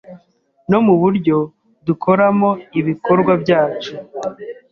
no mu buryo dukoramo ibikorwa byacu